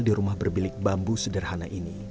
di rumah berbilik bambu sederhana ini